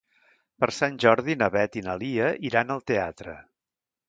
Per Sant Jordi na Beth i na Lia iran al teatre.